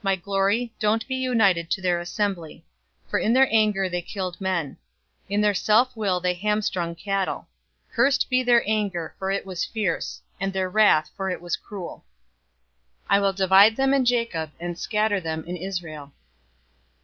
My glory, don't be united to their assembly; for in their anger they killed men. In their self will they hamstrung oxen. 049:007 Cursed be their anger, for it was fierce; and their wrath, for it was cruel. I will divide them in Jacob, and scatter them in Israel.